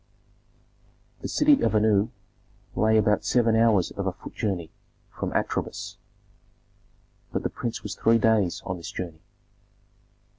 The city of Anu lay about seven hours of a foot journey from Atribis, but the prince was three days on this journey.